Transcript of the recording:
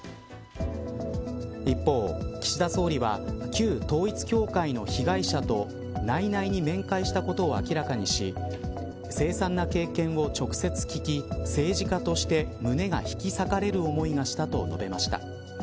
一方、岸田総理は旧統一教会の被害者と内々に面会したことを明らかにし凄惨な経験を直接聞き政治家として胸が引き裂かれる思いがしたと述べました。